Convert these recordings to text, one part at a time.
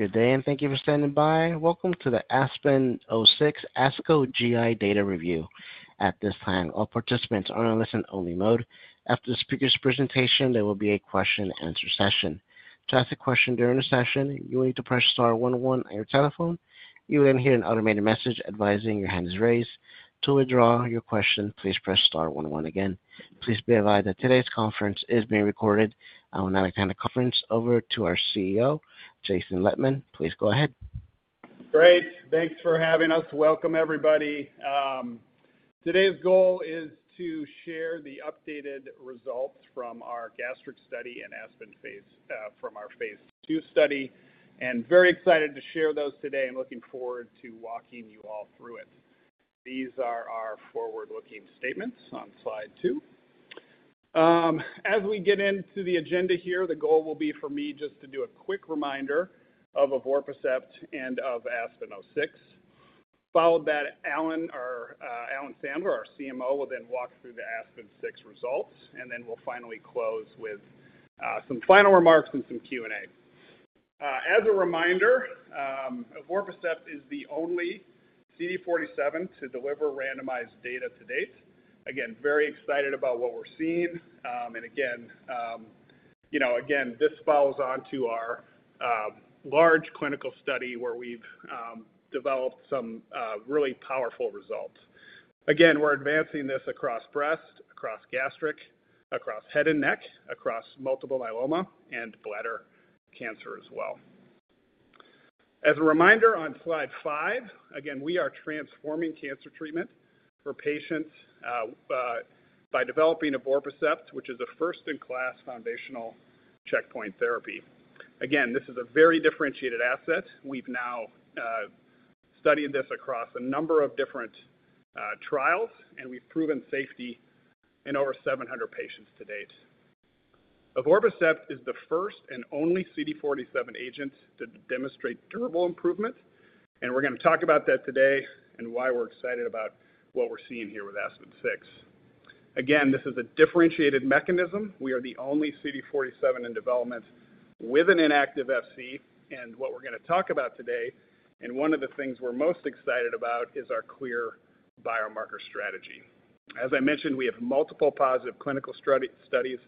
Good day, and thank you for standing by. Welcome to the ASPEN-06 ASCO GI Data Review. At this time, all participants are in a listen-only mode. After the speaker's presentation, there will be a question-and-answer session. To ask a question during the session, you will need to press star 101 on your telephone. You will then hear an automated message advising your hand is raised. To withdraw your question, please press star 101 again. Please be advised that today's conference is being recorded. I will now turn the conference over to our CEO, Jason Lettmann. Please go ahead. Great. Thanks for having us. Welcome, everybody. Today's goal is to share the updated results from our gastric study and ASPEN-06 from our phase II study, and very excited to share those today and looking forward to walking you all through it. These are our forward-looking statements on slide two. As we get into the agenda here, the goal will be for me just to do a quick reminder of evorpacept and of ASPEN-06. Following that, Alan Sandler, our CMO, will then walk through the ASPEN-06 results, and then we'll finally close with some final remarks and some Q&A. As a reminder, evorpacept is the only CD47 to deliver randomized data to date. Again, very excited about what we're seeing, and again, this follows on to our large clinical study where we've developed some really powerful results. Again, we're advancing this across breast, across gastric, across head and neck, across multiple myeloma, and bladder cancer as well. As a reminder, on slide five, again, we are transforming cancer treatment for patients by developing evorpacept, which is a first-in-class foundational checkpoint therapy. Again, this is a very differentiated asset. We've now studied this across a number of different trials, and we've proven safety in over 700 patients to date. Evorpacept is the first and only CD47 agent to demonstrate durable improvement. And we're going to talk about that today and why we're excited about what we're seeing here with ASPEN-06. Again, this is a differentiated mechanism. We are the only CD47 in development with an inactive Fc. And what we're going to talk about today, and one of the things we're most excited about, is our clear biomarker strategy. As I mentioned, we have multiple positive clinical studies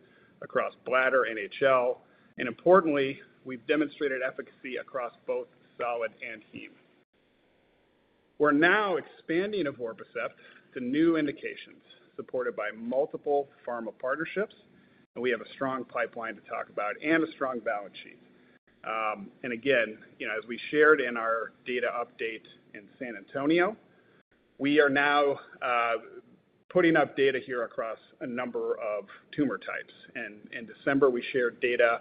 across bladder, NHL. And importantly, we've demonstrated efficacy across both solid and heme. We're now expanding evorpacept to new indications supported by multiple pharma partnerships. And we have a strong pipeline to talk about and a strong balance sheet. And again, as we shared in our data update in San Antonio, we are now putting up data here across a number of tumor types. And in December, we shared data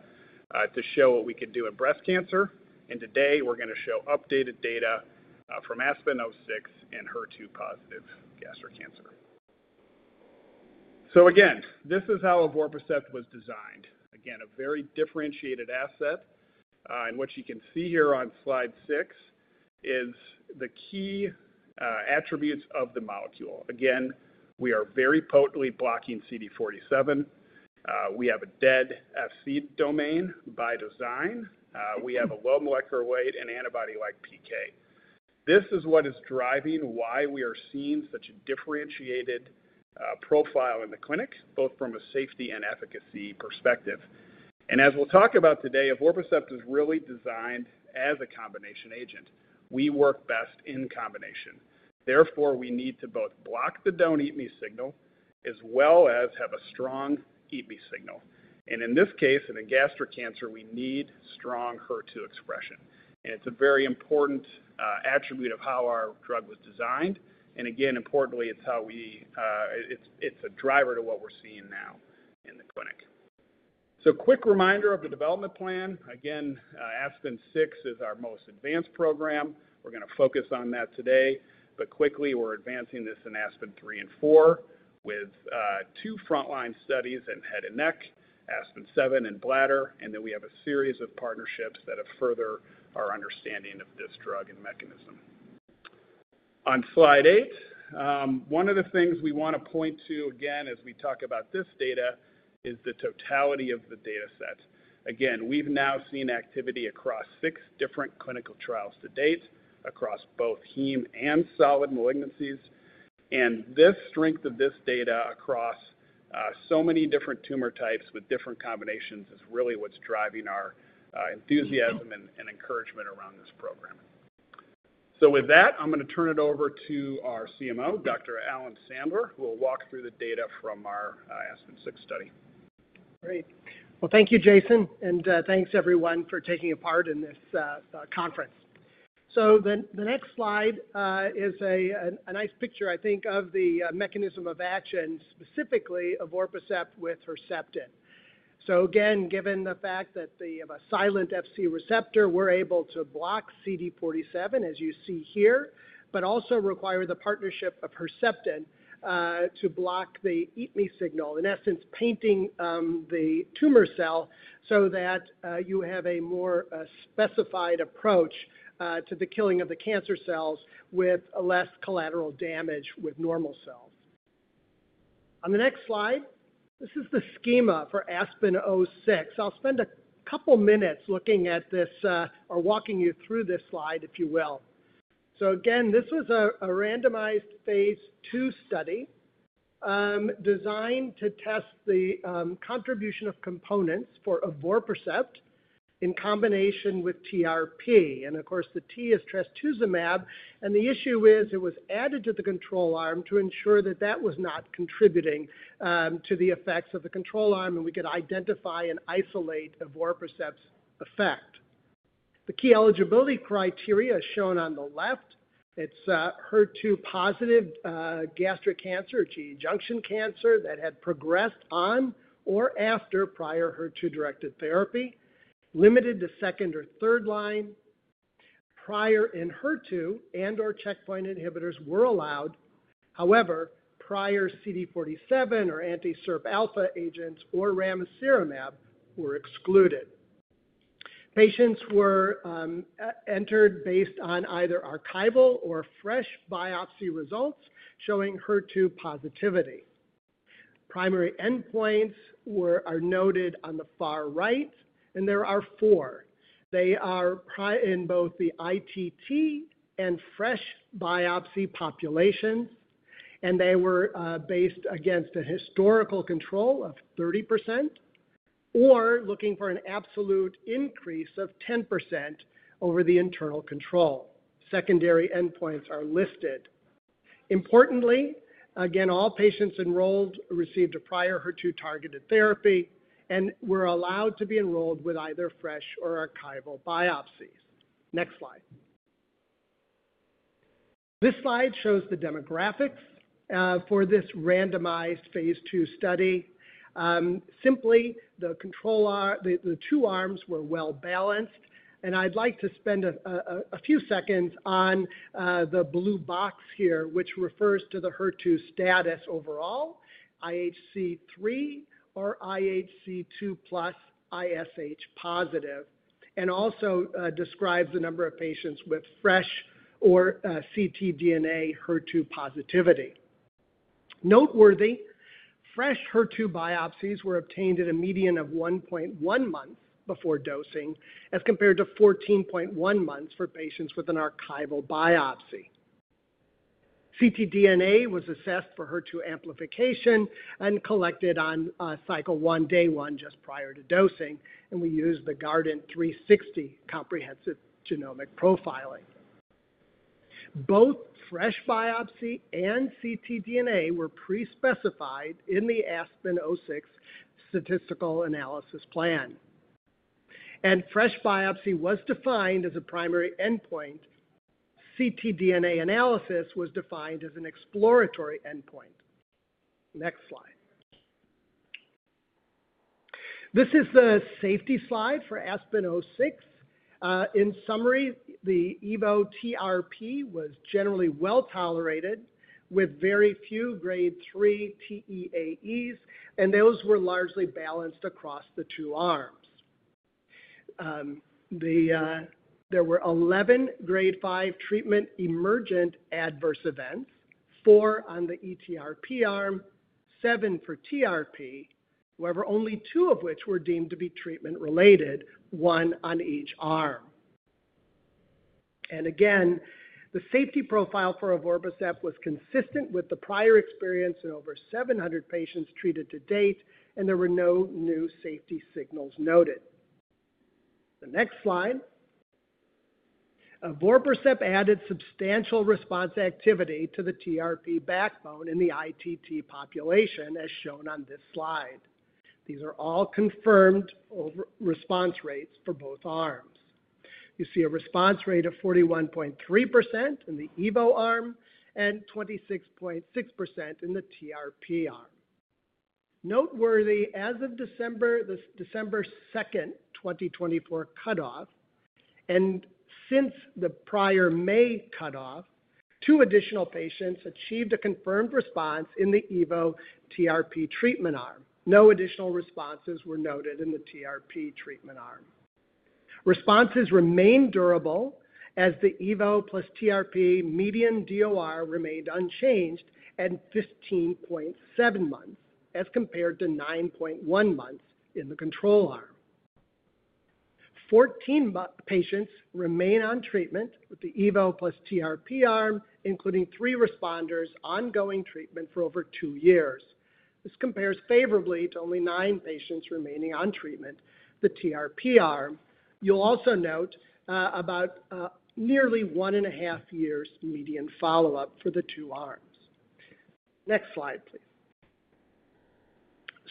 to show what we could do in breast cancer. And today, we're going to show updated data from ASPEN-06 and HER2-positive gastric cancer. So again, this is how evorpacept was designed. Again, a very differentiated asset, in which you can see here on slide six, is the key attributes of the molecule. Again, we are very potently blocking CD47. We have a dead Fc domain by design. We have a low molecular weight and antibody-like PK. This is what is driving why we are seeing such a differentiated profile in the clinic, both from a safety and efficacy perspective. And as we'll talk about today, evorpacept is really designed as a combination agent. We work best in combination. Therefore, we need to both block the don't-eat-me signal as well as have a strong eat-me signal. And in this case, in gastric cancer, we need strong HER2 expression. And it's a very important attribute of how our drug was designed. And again, importantly, it's how it's a driver to what we're seeing now in the clinic. So quick reminder of the development plan. Again, ASPEN-06 is our most advanced program. We're going to focus on that today. Quickly, we're advancing this in ASPEN-03 and ASPEN-04 with two frontline studies in head and neck, ASPEN-07 in bladder. We have a series of partnerships that have furthered our understanding of this drug and mechanism. On slide eight, one of the things we want to point to, again, as we talk about this data, is the totality of the data set. Again, we've now seen activity across six different clinical trials to date across both heme and solid malignancies. This strength of this data across so many different tumor types with different combinations is really what's driving our enthusiasm and encouragement around this program. With that, I'm going to turn it over to our CMO, Dr. Alan Sandler, who will walk through the data from our ASPEN-06 study. Great. Well, thank you, Jason. And thanks, everyone, for taking a part in this conference. So the next slide is a nice picture, I think, of the mechanism of action, specifically evorpacept with Herceptin. So again, given the fact that the silent Fc receptor, we're able to block CD47, as you see here, but also require the partnership of Herceptin to block the eat-me signal, in essence, painting the tumor cell so that you have a more specified approach to the killing of the cancer cells with less collateral damage with normal cells. On the next slide, this is the schema for ASPEN-06. I'll spend a couple of minutes looking at this or walking you through this slide, if you will. So again, this was a randomized phase II study designed to test the contribution of components for evorpacept in combination with TRP. Of course, the T is trastuzumab. The issue is it was added to the control arm to ensure that that was not contributing to the effects of the control arm, and we could identify and isolate evorpacept's effect. The key eligibility criteria is shown on the left. It's HER2-positive gastric cancer or GE junction cancer that had progressed on or after prior HER2-directed therapy, limited to second or third line. Prior Enhertu and/or checkpoint inhibitors were allowed. However, prior CD47 or anti-SIRP alpha agents or ramucirumab were excluded. Patients were entered based on either archival or fresh biopsy results showing HER2 positivity. Primary endpoints are noted on the far right, and there are four. They are in both the ITT and fresh biopsy populations. They were based against a historical control of 30% or looking for an absolute increase of 10% over the internal control. Secondary endpoints are listed. Importantly, again, all patients enrolled received a prior HER2-targeted therapy and were allowed to be enrolled with either fresh or archival biopsies. Next slide. This slide shows the demographics for this randomized phase II study. Simply, the two arms were well-balanced. And I'd like to spend a few seconds on the blue box here, which refers to the HER2 status overall, IHC3 or IHC2 plus ISH positive, and also describes the number of patients with fresh or ctDNA HER2 positivity. Noteworthy, fresh HER2 biopsies were obtained at a median of 1.1 months before dosing as compared to 14.1 months for patients with an archival biopsy. ctDNA was assessed for HER2 amplification and collected on cycle one, day one, just prior to dosing. And we used the Guardant360 comprehensive genomic profiling. Both fresh biopsy and ctDNA were pre-specified in the ASPEN-06 statistical analysis plan. Fresh biopsy was defined as a primary endpoint. ctDNA analysis was defined as an exploratory endpoint. Next slide. This is the safety slide for ASPEN-06. In summary, the evorpacept TRP was generally well tolerated with very few grade three TEAEs. Those were largely balanced across the two arms. There were 11 grade five treatment emergent adverse events, four on the ETRP arm, seven for TRP, however, only two of which were deemed to be treatment-related, one on each arm. Again, the safety profile for evorpacept was consistent with the prior experience in over 700 patients treated to date. There were no new safety signals noted. The next slide. evorpacept added substantial response activity to the TRP backbone in the ITT population, as shown on this slide. These are all confirmed response rates for both arms. You see a response rate of 41.3% in the Evo arm and 26.6% in the TRP arm. Noteworthy, as of December 2, 2024, cutoff, and since the prior May cutoff, two additional patients achieved a confirmed response in the Evo TRP treatment arm. No additional responses were noted in the TRP treatment arm. Responses remained durable as the Evo plus TRP median DOR remained unchanged at 15.7 months as compared to 9.1 months in the control arm. 14 patients remain on treatment with the Evo plus TRP arm, including three responders ongoing treatment for over two years. This compares favorably to only nine patients remaining on treatment, the TRP arm. You'll also note about nearly one and a half years median follow-up for the two arms. Next slide, please.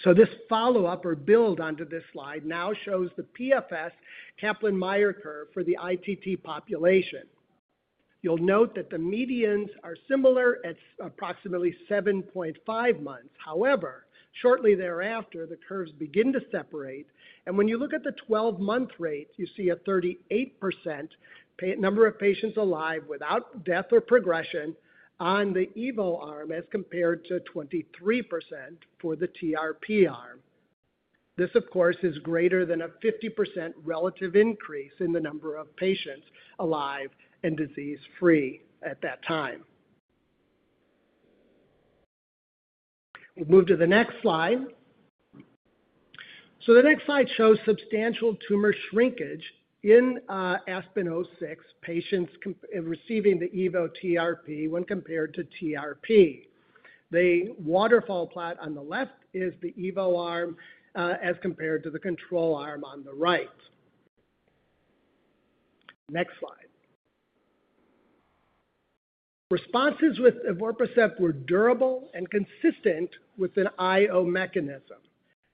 So this follow-up or build onto this slide now shows the PFS Kaplan-Meier curve for the ITT population. You'll note that the medians are similar at approximately 7.5 months. However, shortly thereafter, the curves begin to separate, and when you look at the 12-month rate, you see a 38% number of patients alive without death or progression on the Evo arm as compared to 23% for the TRP arm. This, of course, is greater than a 50% relative increase in the number of patients alive and disease-free at that time. We'll move to the next slide, so the next slide shows substantial tumor shrinkage in ASPEN-06 patients receiving the Evo TRP when compared to TRP. The waterfall plot on the left is the Evo arm as compared to the control arm on the right. Next slide. Responses with evorpacept were durable and consistent with an IO mechanism.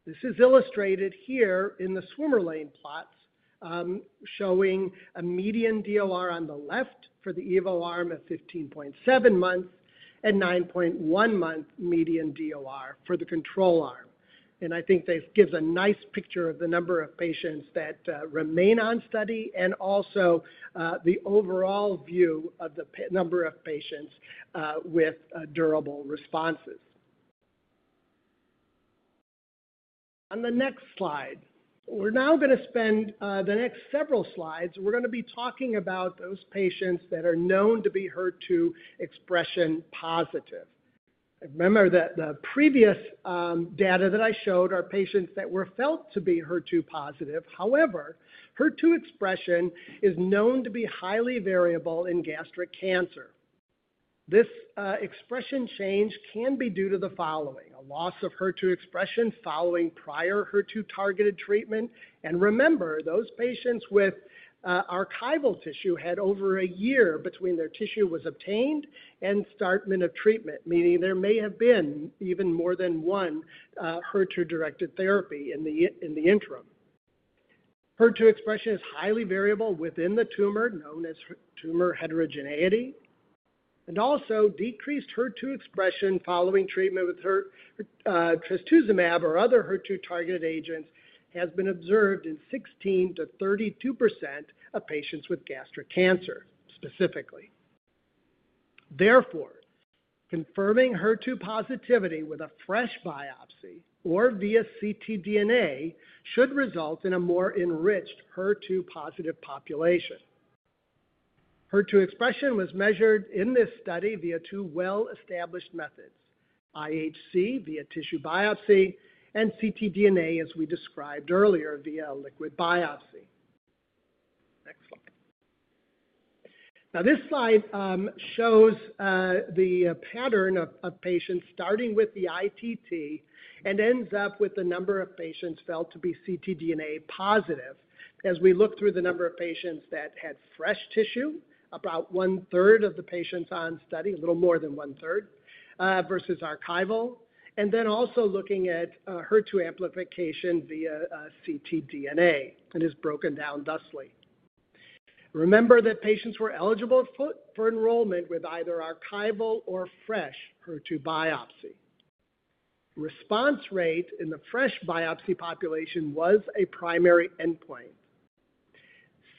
This is illustrated here in the swim-lane plots showing a median DOR on the left for the Evo arm at 15.7 months and 9.1 months median DOR for the control arm, and I think this gives a nice picture of the number of patients that remain on study and also the overall view of the number of patients with durable responses. On the next slide, we're now going to spend the next several slides. We're going to be talking about those patients that are known to be HER2 expression positive. Remember that the previous data that I showed are patients that were felt to be HER2 positive. However, HER2 expression is known to be highly variable in gastric cancer. This expression change can be due to the following: a loss of HER2 expression following prior HER2-targeted treatment. Remember, those patients with archival tissue had over a year between their tissue was obtained and commencement of treatment, meaning there may have been even more than one HER2-directed therapy in the interim. HER2 expression is highly variable within the tumor known as tumor heterogeneity. Also, decreased HER2 expression following treatment with trastuzumab or other HER2-targeted agents has been observed in 16%-32% of patients with gastric cancer specifically. Therefore, confirming HER2 positivity with a fresh biopsy or via ctDNA should result in a more enriched HER2-positive population. HER2 expression was measured in this study via two well-established methods: IHC via tissue biopsy and ctDNA, as we described earlier, via liquid biopsy. Next slide. Now, this slide shows the pattern of patients starting with the ITT and ends up with the number of patients felt to be ctDNA positive. As we look through the number of patients that had fresh tissue, about one-third of the patients on study, a little more than one-third versus archival. And then also looking at HER2 amplification via ctDNA, and it's broken down thusly. Remember that patients were eligible for enrollment with either archival or fresh HER2 biopsy. Response rate in the fresh biopsy population was a primary endpoint.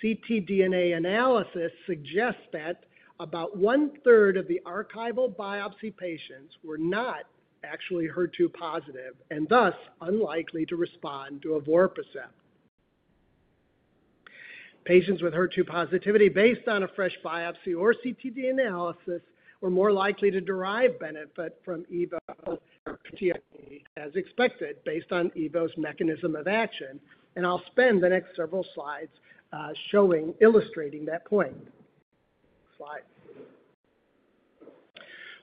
ctDNA analysis suggests that about one-third of the archival biopsy patients were not actually HER2 positive and thus unlikely to respond to evorpacept. Patients with HER2 positivity based on a fresh biopsy or ctDNA analysis were more likely to derive benefit from evorpacept TRP as expected based on evorpacept's mechanism of action. And I'll spend the next several slides illustrating that point. Next slide.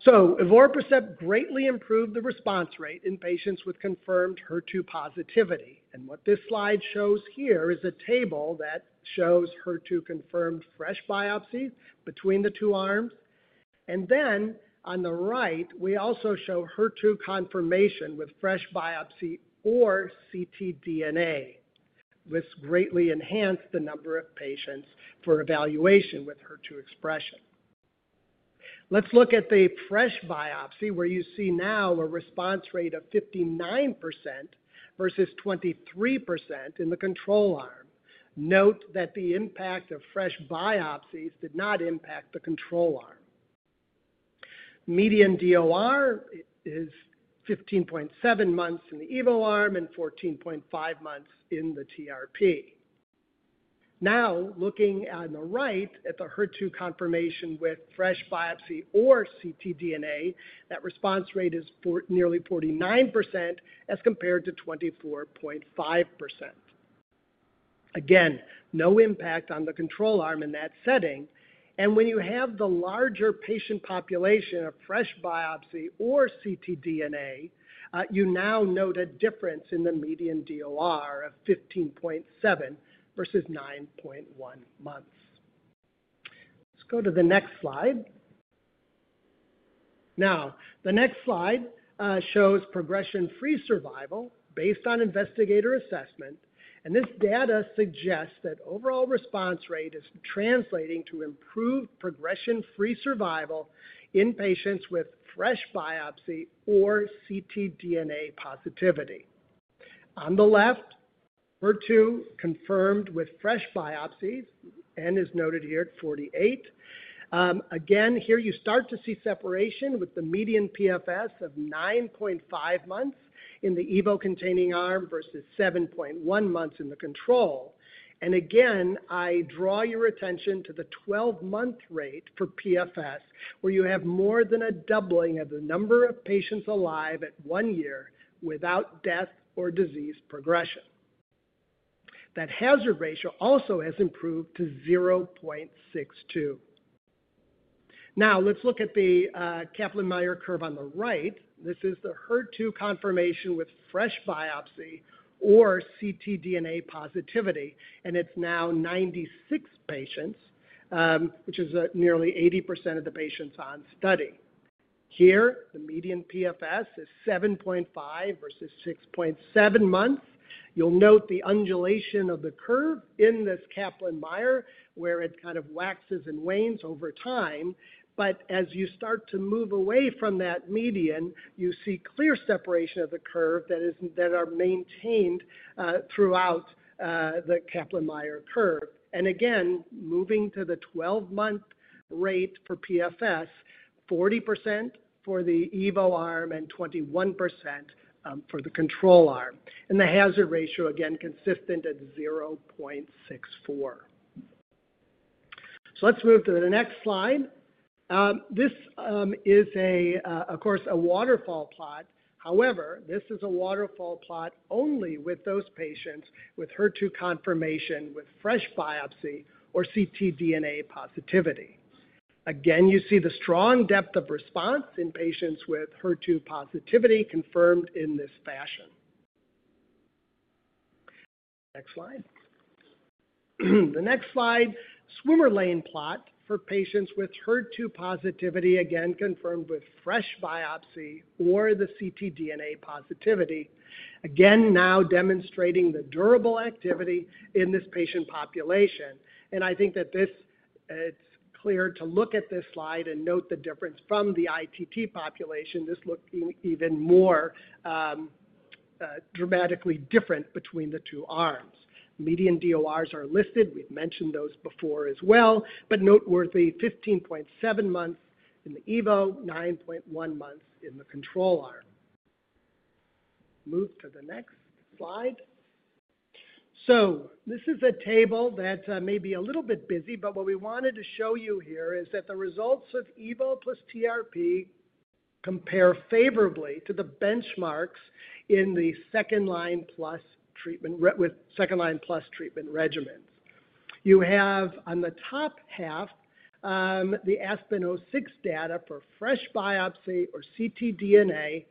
So evorpacept greatly improved the response rate in patients with confirmed HER2 positivity. And what this slide shows here is a table that shows HER2 confirmed fresh biopsies between the two arms. And then on the right, we also show HER2 confirmation with fresh biopsy or ctDNA. This greatly enhanced the number of patients for evaluation with HER2 expression. Let's look at the fresh biopsy where you see now a response rate of 59% versus 23% in the control arm. Note that the impact of fresh biopsies did not impact the control arm. Median DOR is 15.7 months in the Evo arm and 14.5 months in the TRP. Now, looking on the right at the HER2 confirmation with fresh biopsy or ctDNA, that response rate is nearly 49% as compared to 24.5%. Again, no impact on the control arm in that setting. When you have the larger patient population of fresh biopsy or ctDNA, you now note a difference in the median DOR of 15.7 versus 9.1 months. Let's go to the next slide. Now, the next slide shows progression-free survival based on investigator assessment. And this data suggests that overall response rate is translating to improved progression-free survival in patients with fresh biopsy or ctDNA positivity. On the left, HER2 confirmed with fresh biopsies N is noted here at 48. Again, here you start to see separation with the median PFS of 9.5 months in the Evo containing arm versus 7.1 months in the control. And again, I draw your attention to the 12-month rate for PFS, where you have more than a doubling of the number of patients alive at one year without death or disease progression. That hazard ratio also has improved to 0.62. Now, let's look at the Kaplan-Meier curve on the right. This is the HER2 confirmation with fresh biopsy or ctDNA positivity, and it's now 96 patients, which is nearly 80% of the patients on study. Here, the median PFS is 7.5 versus 6.7 months. You'll note the undulation of the curve in this Kaplan-Meier, where it kind of waxes and wanes over time, but as you start to move away from that median, you see clear separation of the curve that are maintained throughout the Kaplan-Meier curve, and again, moving to the 12-month rate for PFS, 40% for the Evo arm and 21% for the control arm. And the hazard ratio, again, consistent at 0.64, so let's move to the next slide. This is, of course, a waterfall plot. However, this is a waterfall plot only with those patients with HER2 confirmation with fresh biopsy or ctDNA positivity. Again, you see the strong depth of response in patients with HER2 positivity confirmed in this fashion. Next slide. The next slide, swim-lane plot for patients with HER2 positivity, again, confirmed with fresh biopsy or the ctDNA positivity. Again, now demonstrating the durable activity in this patient population, and I think that this, it's clear to look at this slide and note the difference from the ITT population. This looks even more dramatically different between the two arms. Median DORs are listed. We've mentioned those before as well, but noteworthy, 15.7 months in the Evo, 9.1 months in the control arm. Move to the next slide. This is a table that may be a little bit busy, but what we wanted to show you here is that the results of Evo plus TRP compare favorably to the benchmarks in the second-line plus treatment with second-line plus treatment regimens. You have on the top half the ASPEN-06 data for fresh biopsy or ctDNA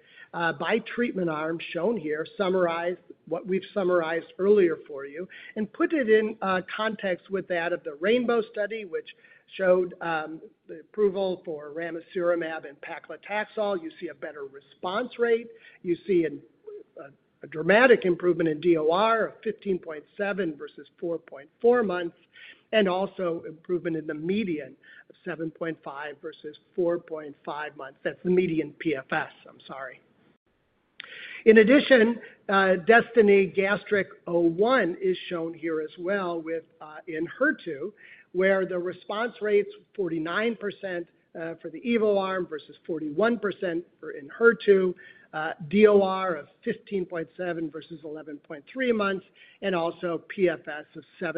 by treatment arm shown here, summarized what we've summarized earlier for you and put it in context with that of the RAINBOW study, which showed the approval for ramucirumab and paclitaxel. You see a better response rate. You see a dramatic improvement in DOR of 15.7 versus 4.4 months and also improvement in the median of 7.5 versus 4.5 months. That's the median PFS, I'm sorry. In addition, DESTINY-Gastric01 is shown here as well with Enhertu, where the response rate is 49% for the Evo arm versus 41% for Enhertu, DOR of 15.7 versus 11.3 months, and also PFS of 7.5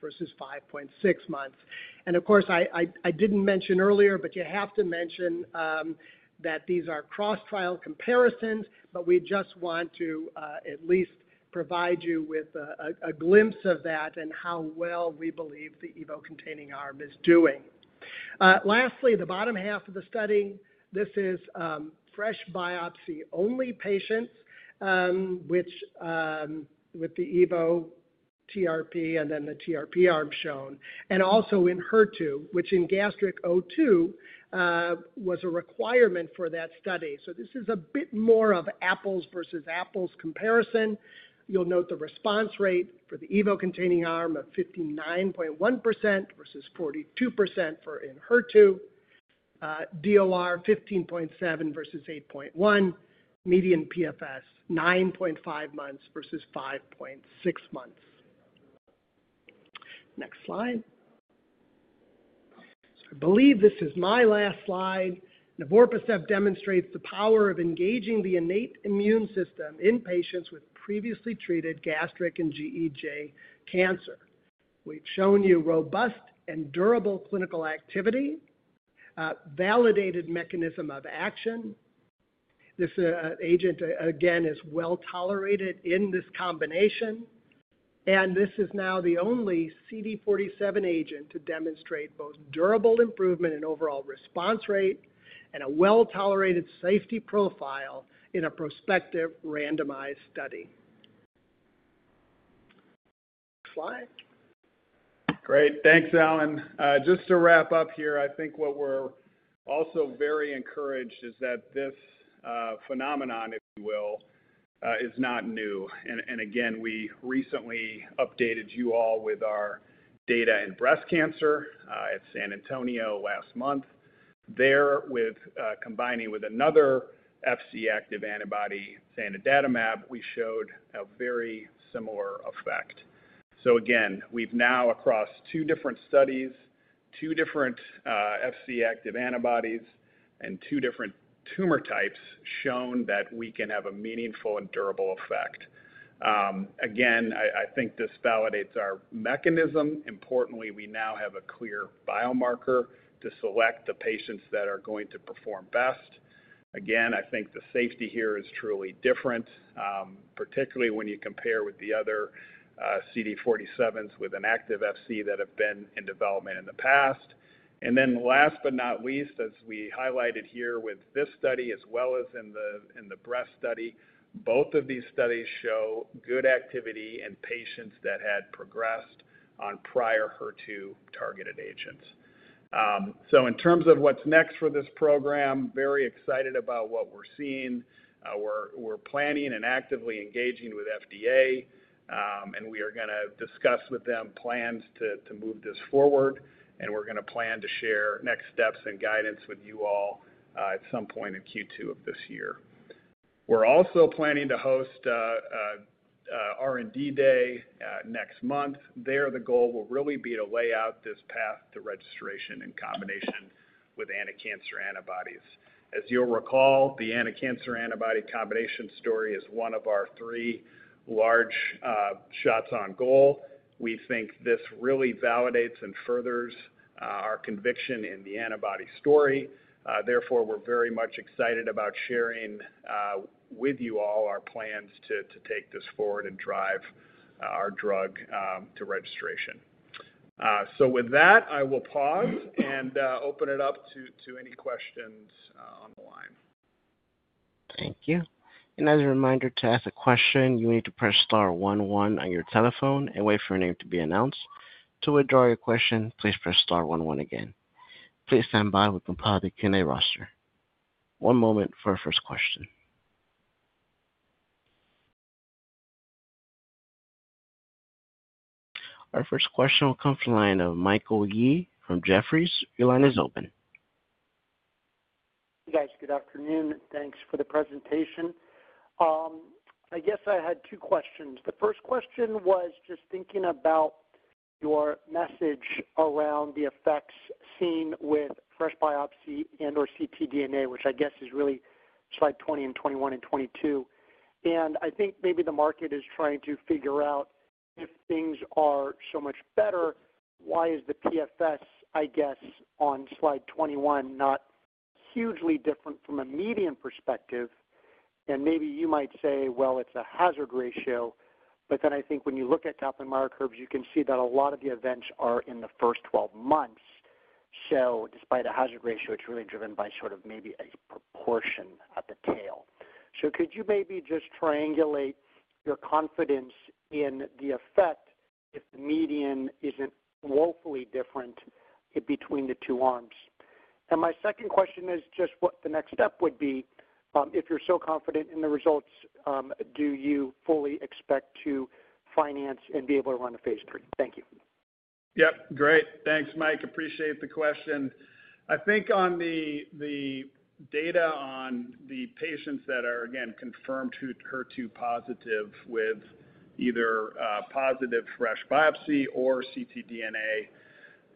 versus 5.6 months. Of course, I didn't mention earlier, but you have to mention that these are cross-trial comparisons. But we just want to at least provide you with a glimpse of that and how well we believe the evorpacept containing arm is doing. Lastly, the bottom half of the study, this is fresh biopsy-only patients, which with the evorpacept TRP and then the TRP arm shown, and also Enhertu, which in DESTINY-Gastric02 was a requirement for that study. So this is a bit more of an apples to apples comparison. You'll note the response rate for the evorpacept containing arm of 59.1% versus 42% for Enhertu, DOR 15.7 versus 8.1, median PFS 9.5 months versus 5.6 months. Next slide. So I believe this is my last slide. Evorpacept demonstrates the power of engaging the innate immune system in patients with previously treated gastric and GEJ cancer. We've shown you robust and durable clinical activity, validated mechanism of action. This agent, again, is well tolerated in this combination, and this is now the only CD47 agent to demonstrate both durable improvement in overall response rate and a well-tolerated safety profile in a prospective randomized study. Next slide. Great. Thanks, Alan. Just to wrap up here, I think what we're also very encouraged is that this phenomenon, if you will, is not new, and again, we recently updated you all with our data in breast cancer at San Antonio last month. There, with combining with another Fc-active antibody, zanidatamab, we showed a very similar effect, so again, we've now, across two different studies, two different Fc-active antibodies and two different tumor types, shown that we can have a meaningful and durable effect. Again, I think this validates our mechanism. Importantly, we now have a clear biomarker to select the patients that are going to perform best. Again, I think the safety here is truly different, particularly when you compare with the other CD47s with an active Fc that have been in development in the past. And then last but not least, as we highlighted here with this study, as well as in the breast study, both of these studies show good activity in patients that had progressed on prior HER2 targeted agents. So in terms of what's next for this program, very excited about what we're seeing. We're planning and actively engaging with FDA. And we are going to discuss with them plans to move this forward. And we're going to plan to share next steps and guidance with you all at some point in Q2 of this year. We're also planning to host R&D Day next month. There, the goal will really be to lay out this path to registration in combination with anticancer antibodies. As you'll recall, the anticancer antibody combination story is one of our three large shots on goal. We think this really validates and furthers our conviction in the antibody story. Therefore, we're very much excited about sharing with you all our plans to take this forward and drive our drug to registration. So with that, I will pause and open it up to any questions on the line. Thank you. And as a reminder to ask a question, you need to press star 11 on your telephone and wait for your name to be announced. To withdraw your question, please press star 11 again. Please stand by. We'll compile the Q&A roster. One moment for our first question. Our first question will come from the line of Michael Yee from Jefferies.Your line is open. Hey, guys. Good afternoon. Thanks for the presentation. I guess I had two questions. The first question was just thinking about your message around the effects seen with fresh biopsy and/or ctDNA, which I guess is really slide 20 and 21 and 22. And I think maybe the market is trying to figure out if things are so much better, why is the PFS, I guess, on slide 21 not hugely different from a median perspective? And maybe you might say, well, it's a hazard ratio. But then I think when you look at Kaplan-Meier curves, you can see that a lot of the events are in the first 12 months. So despite a hazard ratio, it's really driven by sort of maybe a proportion at the tail. So could you maybe just triangulate your confidence in the effect if the median isn't woefully different between the two arms? And my second question is just what the next step would be. If you're so confident in the results, do you fully expect to finance and be able to run a phase III? Thank you. Yep. Great. Thanks, Mike. Appreciate the question. I think on the data on the patients that are, again, confirmed HER2 positive with either positive fresh biopsy or ctDNA,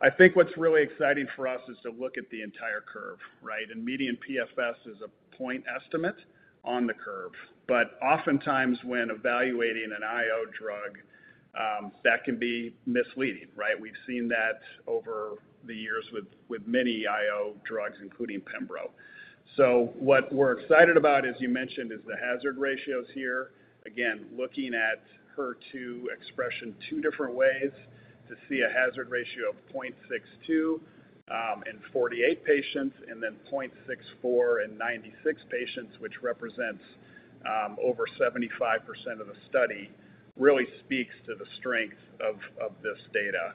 I think what's really exciting for us is to look at the entire curve, right? And median PFS is a point estimate on the curve. But oftentimes, when evaluating an IO drug, that can be misleading, right? We've seen that over the years with many IO drugs, including Pembro. So what we're excited about, as you mentioned, is the hazard ratios here. Again, looking at HER2 expression two different ways to see a hazard ratio of 0.62 in 48 patients and then 0.64 in 96 patients, which represents over 75% of the study, really speaks to the strength of this data.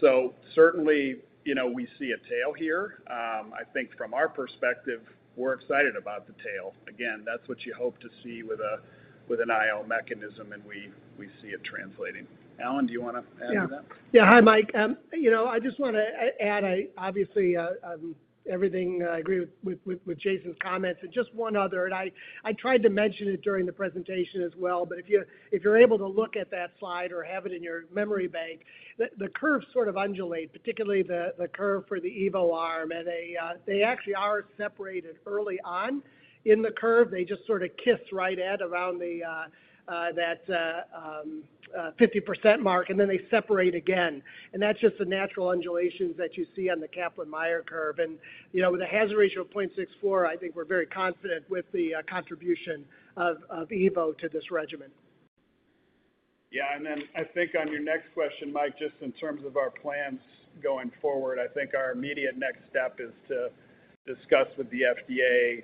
So certainly, we see a tail here. I think from our perspective, we're excited about the tail. Again, that's what you hope to see with an IO mechanism, and we see it translating. Alan, do you want to add to that? Yeah. Hi, Mike. I just want to add, obviously, everything I agree with Jason's comments. And just one other. And I tried to mention it during the presentation as well. But if you're able to look at that slide or have it in your memory bank, the curves sort of undulate, particularly the curve for the Evo arm, and they actually are separated early on in the curve. They just sort of kiss right at around that 50% mark. And then they separate again. And that's just the natural undulations that you see on the Kaplan-Meier curve. And with a hazard ratio of 0.64, I think we're very confident with the contribution of Evo to this regimen. Yeah. And then I think on your next question, Mike, just in terms of our plans going forward, I think our immediate next step is to discuss with the FDA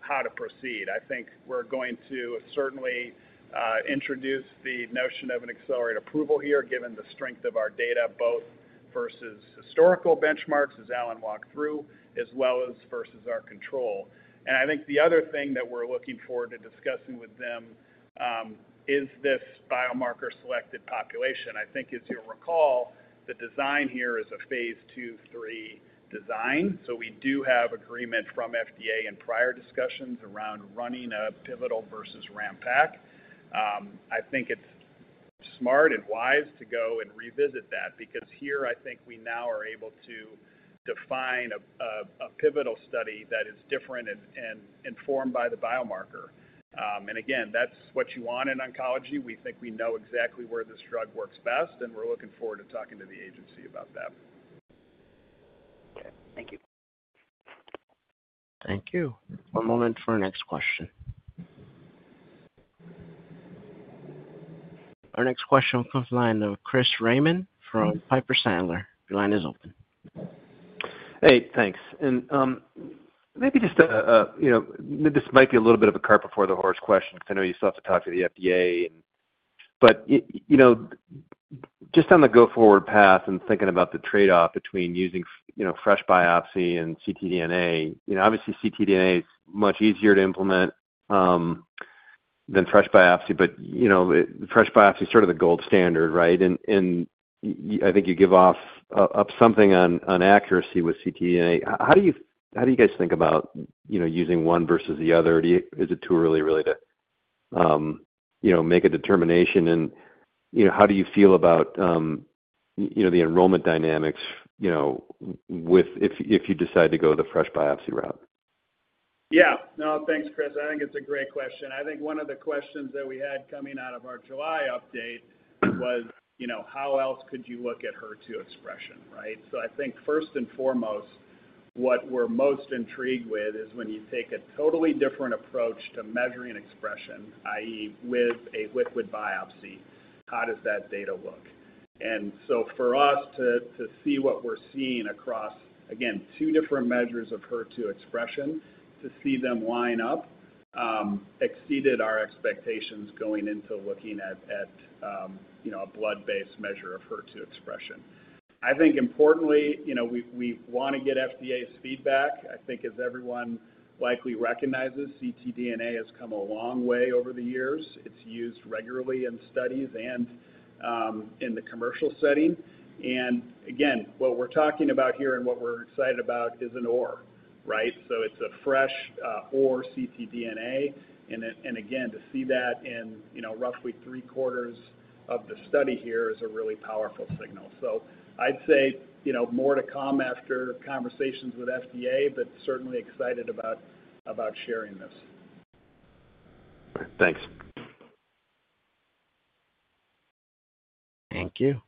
how to proceed. I think we're going to certainly introduce the notion of an accelerated approval here, given the strength of our data, both versus historical benchmarks, as Alan walked through, as well as versus our control. And I think the other thing that we're looking forward to discussing with them is this biomarker-selected population. I think, as you'll recall, the design here is a phase II, III design. So we do have agreement from FDA in prior discussions around running a pivotal versus RamPac. I think it's smart and wise to go and revisit that because here, I think we now are able to define a pivotal study that is different and informed by the biomarker. And again, that's what you want in oncology. We think we know exactly where this drug works best. And we're looking forward to talking to the agency about that. Okay. Thank you. Thank you. One moment for our next question. Our next question comes from the line of Chris Raymond from Piper Sandler. Your line is open. Hey. Thanks. And maybe just this might be a little bit of a cart before the horse question because I know you still have to talk to the FDA. But just on the go-forward path and thinking about the trade-off between using fresh biopsy and ctDNA, obviously, ctDNA is much easier to implement than fresh biopsy. But fresh biopsy is sort of the gold standard, right? And I think you give off something on accuracy with ctDNA. How do you guys think about using one versus the other? Is it too early really to make a determination? And how do you feel about the enrollment dynamics if you decide to go the fresh biopsy route? Yeah. No, thanks, Chris. I think it's a great question. I think one of the questions that we had coming out of our July update was, how else could you look at HER2 expression, right? So I think first and foremost, what we're most intrigued with is when you take a totally different approach to measuring expression, i.e., with a liquid biopsy, how does that data look? And so for us to see what we're seeing across, again, two different measures of HER2 expression, to see them line up exceeded our expectations going into looking at a blood-based measure of HER2 expression. I think importantly, we want to get FDA's feedback. I think as everyone likely recognizes, ctDNA has come a long way over the years. It's used regularly in studies and in the commercial setting. And again, what we're talking about here and what we're excited about is an OR, right? So it's a fresh OR ctDNA. And again, to see that in roughly three quarters of the study here is a really powerful signal. So I'd say more to come after conversations with FDA, but certainly excited about sharing this. Thanks. Thank you.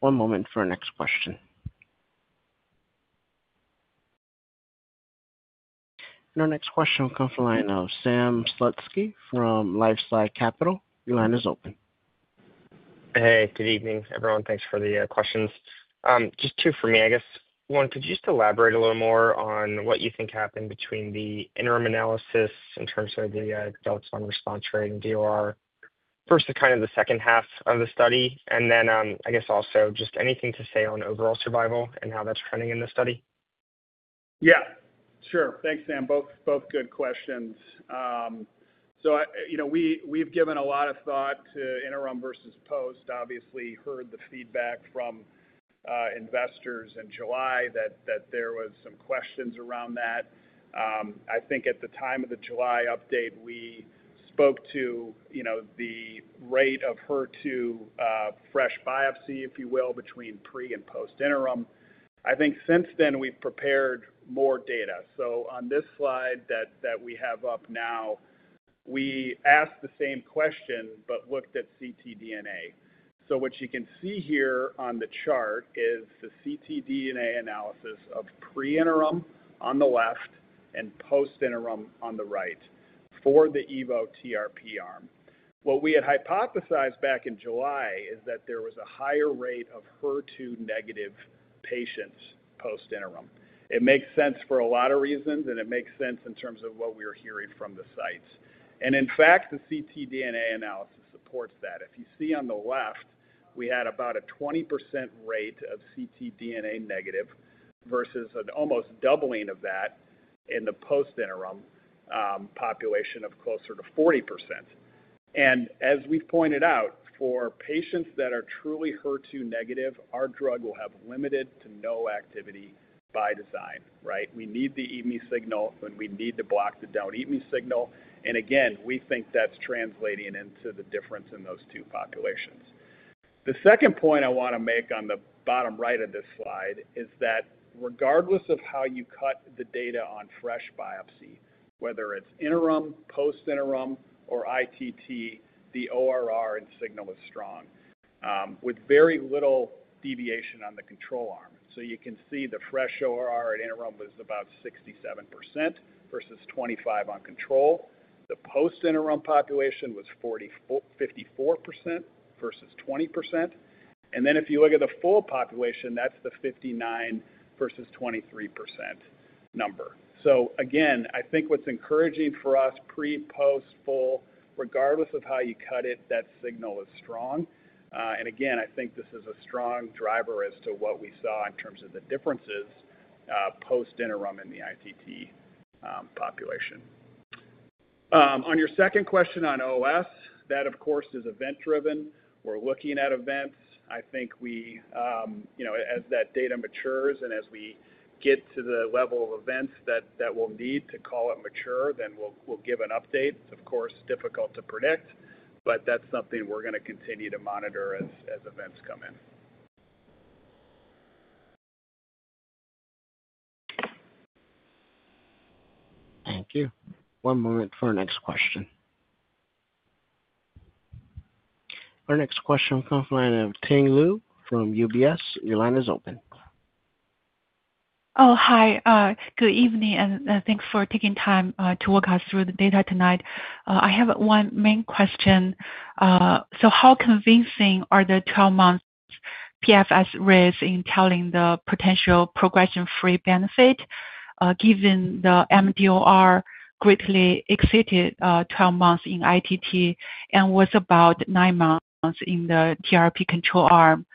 One moment for our next question. And our next question will come from the line of Sam Slutsky from LifeSci Capital. Your line is open. Hey. Good evening, everyone. Thanks for the questions. Just two for me, I guess. One, could you just elaborate a little more on what you think happened between the interim analysis in terms of the updates on response rate and DOR versus kind of the second half of the study? And then I guess also just anything to say on overall survival and how that's trending in the study? Yeah. Sure. Thanks, Sam. Both good questions. So we've given a lot of thought to interim versus post. Obviously, heard the feedback from investors in July that there were some questions around that. I think at the time of the July update, we spoke to the rate of HER2 fresh biopsy, if you will, between pre and post interim. I think since then, we've prepared more data, so on this slide that we have up now, we asked the same question but looked at ctDNA, so what you can see here on the chart is the ctDNA analysis of pre-interim on the left and post-interim on the right for the Evo TRP arm. What we had hypothesized back in July is that there was a higher rate of HER2 negative patients post-interim. It makes sense for a lot of reasons, and it makes sense in terms of what we were hearing from the sites, and in fact, the ctDNA analysis supports that. If you see on the left, we had about a 20% rate of ctDNA negative versus an almost doubling of that in the post-interim population of closer to 40%, and as we've pointed out, for patients that are truly HER2 negative, our drug will have limited to no activity by design, right? We need the eat-me signal, and we need to block the don't eat me signal, and again, we think that's translating into the difference in those two populations. The second point I want to make on the bottom right of this slide is that regardless of how you cut the data on fresh biopsy, whether it's interim, post-interim, or ITT, the ORR and signal is strong with very little deviation on the control arm, so you can see the fresh ORR at interim was about 67% versus 25% on control. The post-interim population was 54% versus 20%. And then if you look at the full population, that's the 59% versus 23% number. So again, I think what's encouraging for us pre, post, full, regardless of how you cut it, that signal is strong. And again, I think this is a strong driver as to what we saw in terms of the differences post-interim in the ITT population. On your second question on OS, that, of course, is event-driven. We're looking at events. I think as that data matures and as we get to the level of events that we'll need to call it mature, then we'll give an update. It's, of course, difficult to predict. But that's something we're going to continue to monitor as events come in. Thank you. One moment for our next question. Our next question will come from the line of Lu Tang from UBS. Your line is open. Oh, hi. Good evening. And thanks for taking time to walk us through the data tonight. I have one main question. So how convincing are the 12-month PFS rates in telling the potential progression-free benefit given the MDOR greatly exceeded 12 months in ITT and was about 9 months in the TRP control arm?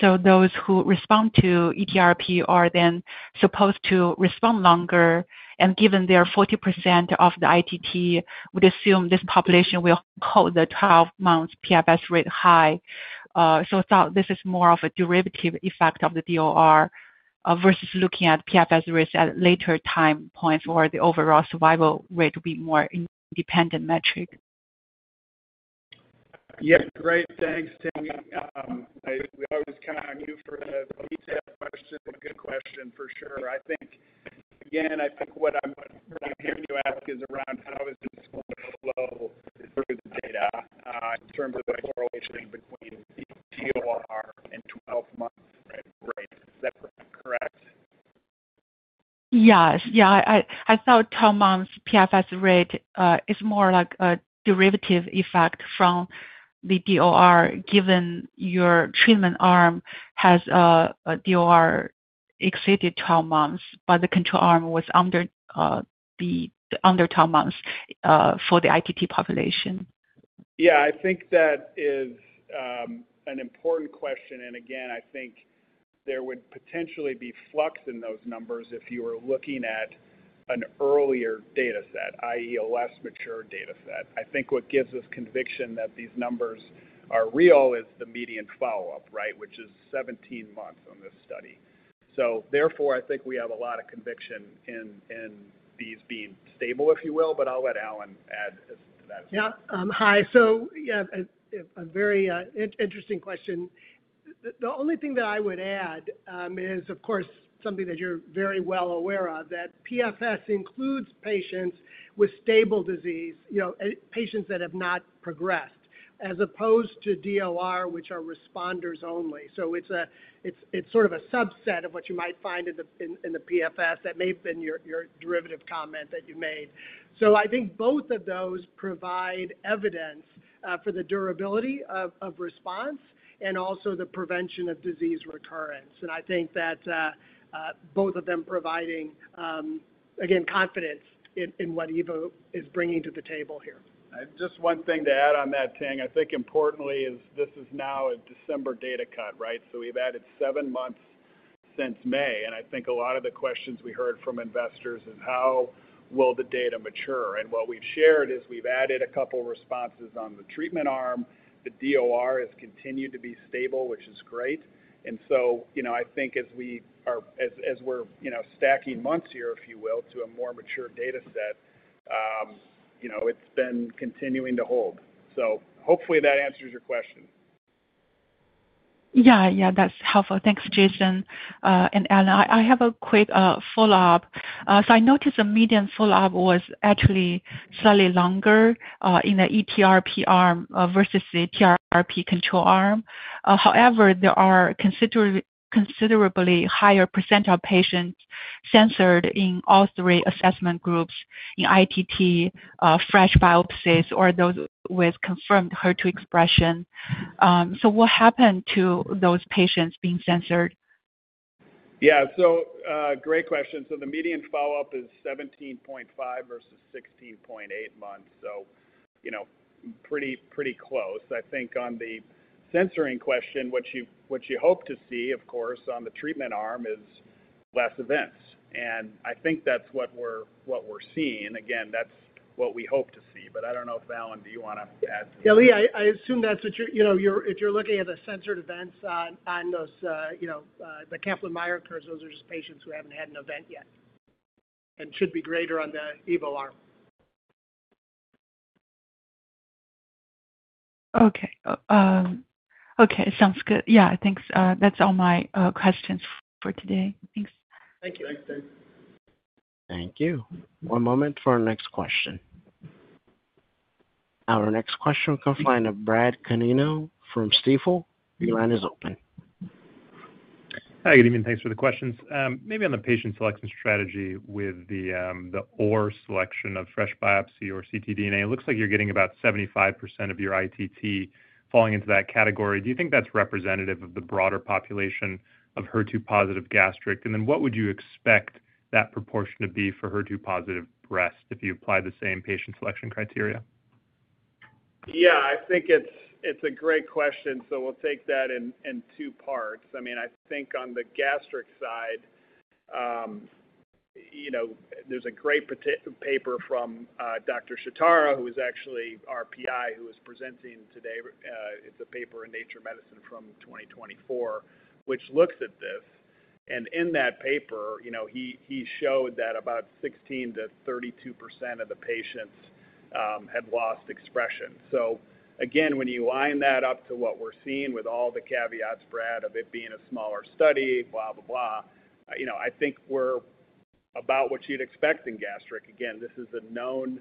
So those who respond to eTRP are then supposed to respond longer. And given they're 40% of the ITT, we'd assume this population will hold the 12-month PFS rate high. So I thought this is more of a derivative effect of the DOR versus looking at PFS rates at later time points or the overall survival rate to be a more independent metric. Yep. Great. Thanks, Tanguy. We always kind of knew for the detailed question, a good question for sure. Again, I think what I'm hearing you ask is around how is this going to flow through the data in terms of the correlation between DOR and 12-month rate? Is that correct? Yes. Yeah. I thought 12-month PFS rate is more like a derivative effect from the DOR given your treatment arm has a DOR exceeded 12 months, but the control arm was under 12 months for the ITT population. Yeah. I think that is an important question. And again, I think there would potentially be flux in those numbers if you were looking at an earlier data set, i.e., a less mature data set. I think what gives us conviction that these numbers are real is the median follow-up, right, which is 17 months on this study. So therefore, I think we have a lot of conviction in these being stable, if you will. But I'll let Alan add to that as well. Yeah. Hi. So yeah, a very interesting question. The only thing that I would add is, of course, something that you're very well aware of, that PFS includes patients with stable disease, patients that have not progressed, as opposed to DOR, which are responders only. So it's sort of a subset of what you might find in the PFS that may have been your derivative comment that you made. So I think both of those provide evidence for the durability of response and also the prevention of disease recurrence. And I think that both of them providing, again, confidence in what Evo is bringing to the table here. Just one thing to add on that, Tanguy. I think importantly is this is now a December data cut, right? So we've added seven months since May. I think a lot of the questions we heard from investors is, how will the data mature? And what we've shared is we've added a couple of responses on the treatment arm. The DOR has continued to be stable, which is great. And so I think as we're stacking months here, if you will, to a more mature data set, it's been continuing to hold. So hopefully, that answers your question. Yeah. Yeah. That's helpful. Thanks, Jason and Alan. I have a quick follow-up. So I noticed the median follow-up was actually slightly longer in the eTRP arm versus the TRP control arm. However, there are considerably higher percent of patients censored in all three assessment groups in ITT, fresh biopsies, or those with confirmed HER2 expression. So what happened to those patients being censored? Yeah. So great question. So the median follow-up is 17.5 versus 16.8 months. So pretty close. I think on the censoring question, what you hope to see, of course, on the treatment arm is less events. And I think that's what we're seeing. Again, that's what we hope to see. But I don't know if Alan, do you want to add to that? Yeah. I assume that's what you're looking at the censored events on the Kaplan-Meier curves, those are just patients who haven't had an event yet and should be greater on the Evo arm. Okay. Okay. Sounds good. Yeah. Thanks. That's all my questions for today. Thanks. Thank you. Thanks, Dave. Thank you. One moment for our next question. Our next question will come from the line of Brad Canino from Stifel. Your line is open. Hi. Good evening. Thanks for the questions. Maybe on the patient selection strategy with the IHC selection of fresh biopsy or ctDNA, it looks like you're getting about 75% of your ITT falling into that category. Do you think that's representative of the broader population of HER2-positive gastric? And then what would you expect that proportion to be for HER2-positive breast if you apply the same patient selection criteria? Yeah. I think it's a great question. So we'll take that in two parts. I mean, I think on the gastric side, there's a great paper from Dr. Shitara, who is actually our PI, who is presenting today. It's a paper in Nature Medicine from 2024, which looks at this. And in that paper, he showed that about 16%-32% of the patients had lost expression. So again, when you line that up to what we're seeing with all the caveats, Brad, of it being a smaller study, blah, blah, blah, I think we're about what you'd expect in gastric. Again, this is a known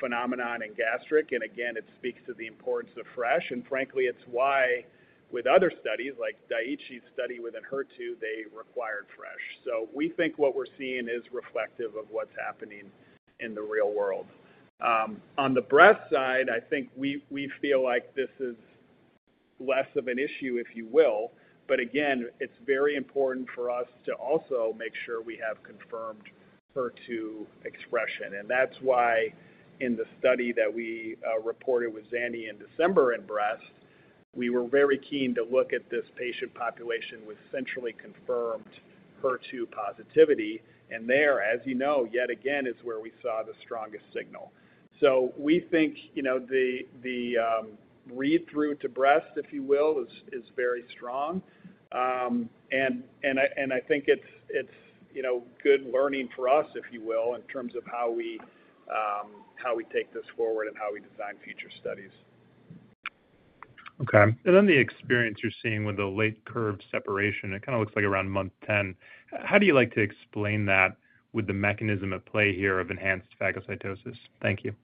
phenomenon in gastric. And again, it speaks to the importance of fresh. And frankly, it's why with other studies like Daiichi's study with Enhertu, they required fresh. So we think what we're seeing is reflective of what's happening in the real world. On the breast side, I think we feel like this is less of an issue, if you will. But again, it's very important for us to also make sure we have confirmed HER2 expression. And that's why in the study that we reported with zanidatamab in December in breast, we were very keen to look at this patient population with centrally confirmed HER2 positivity. There, as you know, yet again, is where we saw the strongest signal. We think the read-through to breast, if you will, is very strong. I think it's good learning for us, if you will, in terms of how we take this forward and how we design future studies. Okay. Then the experience you're seeing with the late curve separation, it kind of looks like around month 10. How do you like to explain that with the mechanism at play here of enhanced phagocytosis? Thank you.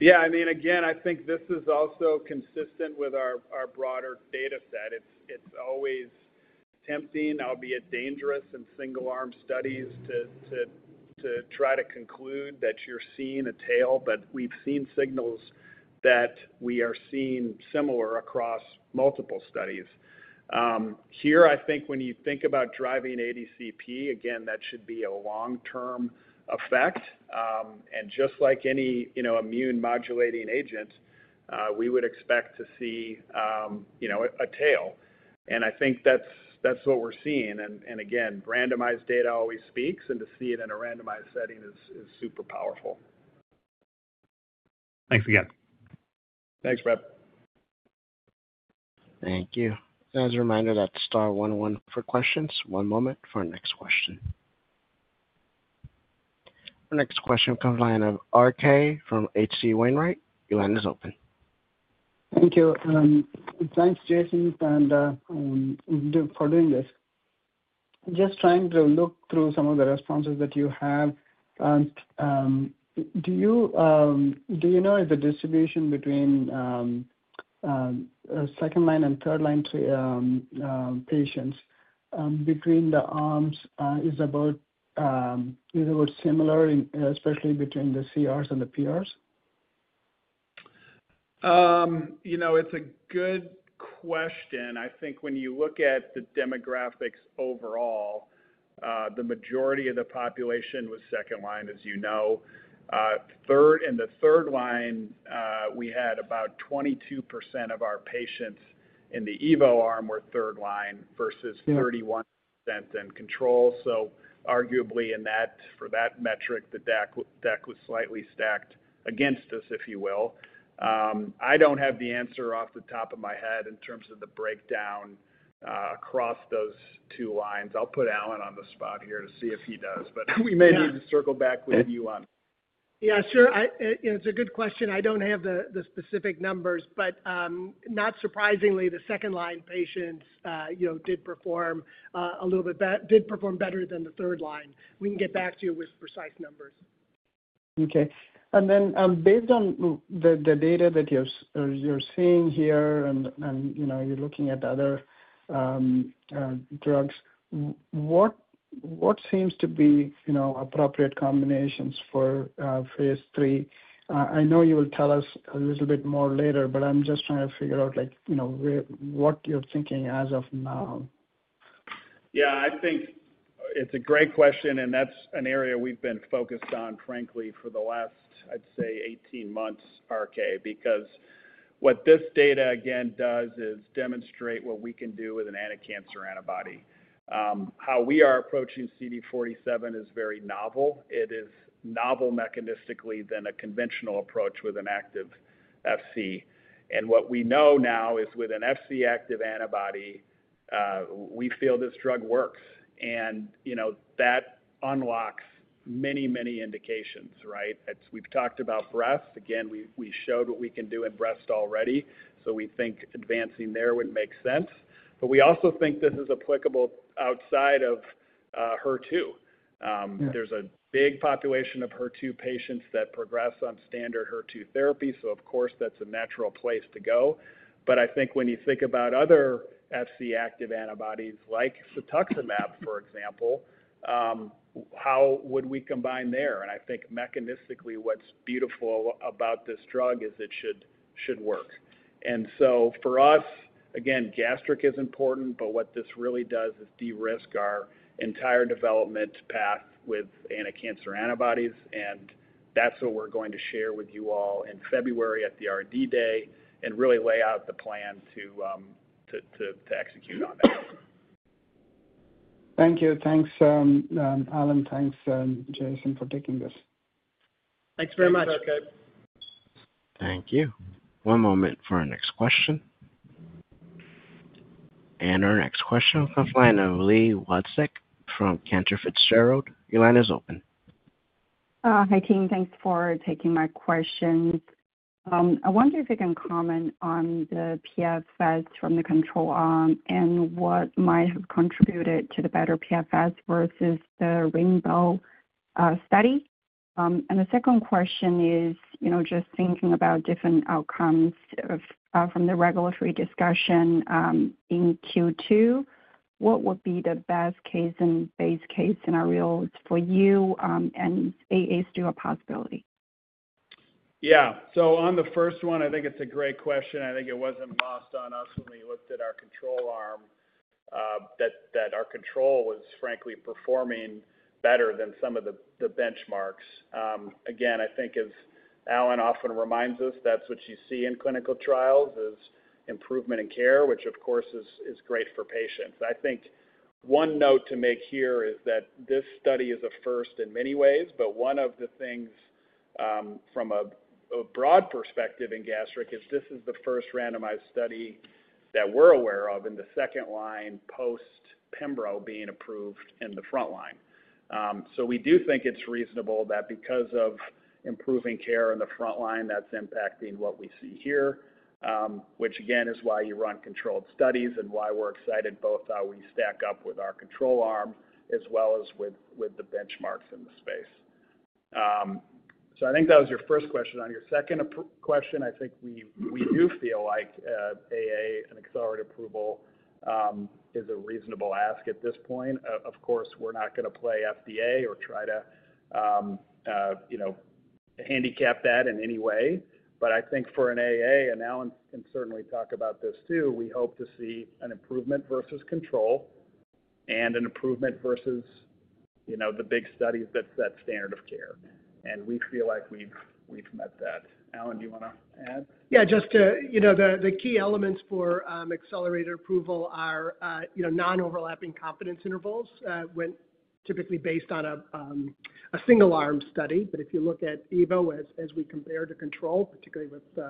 Yeah. I mean, again, I think this is also consistent with our broader data set. It's always tempting, albeit dangerous in single-arm studies, to try to conclude that you're seeing a tail. But we've seen signals that we are seeing similar across multiple studies. Here, I think when you think about driving ADCP, again, that should be a long-term effect. And just like any immune modulating agent, we would expect to see a tail. And I think that's what we're seeing. And again, randomized data always speaks. And to see it in a randomized setting is super powerful. Thanks again. Thanks, Brad. Thank you. As a reminder, that's star 101 for questions. One moment for our next question. Our next question will come from the line of RK from H.C. Wainwright. Your line is open. Thank you. Thanks, Jason, for doing this. Just trying to look through some of the responses that you have. Do you know if the distribution between second-line and third-line patients between the arms is about similar, especially between the CRs and the PRs? It's a good question. I think when you look at the demographics overall, the majority of the population was second line, as you know. In the third line, we had about 22% of our patients in the Evo arm were third line versus 31% in control. So arguably for that metric, the deck was slightly stacked against us, if you will. I don't have the answer off the top of my head in terms of the breakdown across those two lines. I'll put Alan on the spot here to see if he does. But we may need to circle back with you on that. Yeah. Sure. It's a good question. I don't have the specific numbers. But not surprisingly, the second-line patients did perform a little bit better than the third line. We can get back to you with precise numbers. Okay. And then based on the data that you're seeing here and you're looking at other drugs, what seems to be appropriate combinations for phase three? I know you will tell us a little bit more later, but I'm just trying to figure out what you're thinking as of now. Yeah. I think it's a great question, and that's an area we've been focused on, frankly, for the last, I'd say, 18 months, RK. Because what this data, again, does is demonstrate what we can do with an anticancer antibody. How we are approaching CD47 is very novel. It is novel mechanistically than a conventional approach with an active FC. And what we know now is with an FC-active antibody, we feel this drug works, and that unlocks many, many indications, right? We've talked about breast. Again, we showed what we can do in breast already. So we think advancing there would make sense, but we also think this is applicable outside of HER2. There's a big population of HER2 patients that progress on standard HER2 therapy. So of course, that's a natural place to go. But I think when you think about other Fc-active antibodies like cetuximab, for example, how would we combine there? And I think mechanistically, what's beautiful about this drug is it should work. And so for us, again, gastric is important. But what this really does is de-risk our entire development path with anticancer antibodies. And that's what we're going to share with you all in February at the R&D day and really lay out the plan to execute on that. Thank you. Thanks, Alan. Thanks, Jason, for taking this. Thanks very much. Thank you. One moment for our next question. And our next question will come from Li Watsek from Cantor Fitzgerald. Your line is open. Hi, team. Thanks for taking my questions. I wonder if you can comment on the PFS from the control arm and what might have contributed to the better PFS versus the RAINBOW study, and the second question is just thinking about different outcomes from the regulatory discussion in Q2. What would be the best case and base case scenarios for you and ASCO possibility? Yeah, so on the first one, I think it's a great question. I think it wasn't lost on us when we looked at our control arm that our control was, frankly, performing better than some of the benchmarks. Again, I think as Alan often reminds us, that's what you see in clinical trials is improvement in care, which of course is great for patients. I think one note to make here is that this study is a first in many ways. But one of the things from a broad perspective in gastric is this is the first randomized study that we're aware of in the second line post-pembro being approved in the front line. So we do think it's reasonable that because of improving care in the front line, that's impacting what we see here, which again is why you run controlled studies and why we're excited both how we stack up with our control arm as well as with the benchmarks in the space. So I think that was your first question. On your second question, I think we do feel like AA and accelerated approval is a reasonable ask at this point. Of course, we're not going to play FDA or try to handicap that in any way. But I think for an AA, and Alan can certainly talk about this too, we hope to see an improvement versus control and an improvement versus the big studies that set standard of care. And we feel like we've met that. Alan, do you want to add? Yeah. Just the key elements for accelerated approval are non-overlapping confidence intervals typically based on a single arm study. But if you look at Evo as we compare to control, particularly with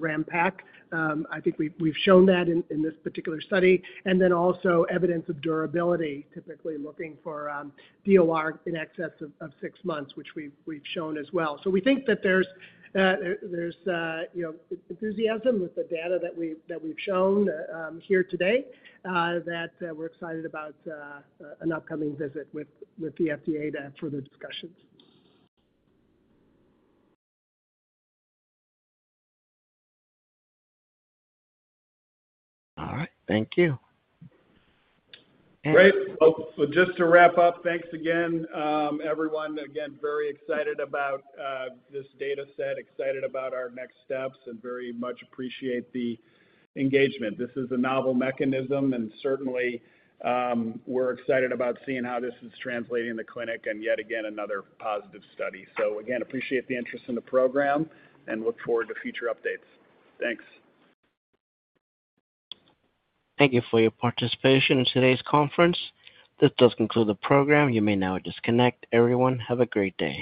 RAMPAC, I think we've shown that in this particular study. And then also evidence of durability, typically looking for DOR in excess of six months, which we've shown as well. So we think that there's enthusiasm with the data that we've shown here today that we're excited about an upcoming visit with the FDA for the discussions. All right. Thank you. Great. So just to wrap up, thanks again, everyone. Again, very excited about this data set, excited about our next steps, and very much appreciate the engagement. This is a novel mechanism, and certainly, we're excited about seeing how this is translating in the clinic and yet again another positive study, so again, appreciate the interest in the program and look forward to future updates. Thanks. Thank you for your participation in today's conference. This does conclude the program. You may now disconnect. Everyone, have a great day.